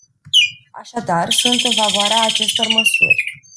Așadar, sunt în favoarea acestor măsuri.